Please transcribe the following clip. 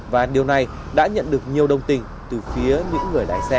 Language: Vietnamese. và điều này đã nhận được nhiều đồng tình từ phía những người lái xe